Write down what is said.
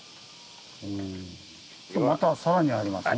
またさらにありますね。